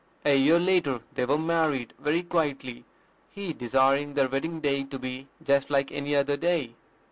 A year later they were married very quietly, he desiring their wedding day to be "just like any other day."